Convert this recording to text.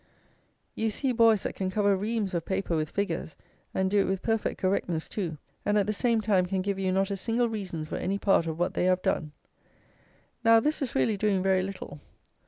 You see boys that can cover reams of paper with figures, and do it with perfect correctness too; and at the same time, can give you not a single reason for any part of what they have done. Now this is really doing very little.